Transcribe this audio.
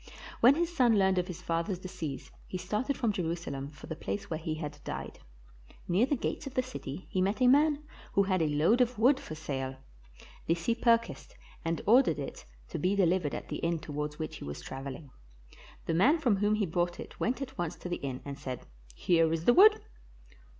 When his son learned of his father's decease, he started from Jerusalem for the place where he had died. Near the gates of the city he met a man who bad a load of wood for sale. This he purchased and ordered it to be delivered at the inn towards which he was traveling. The man from whom he bought it went at once to the inn and said, "Here is the wood."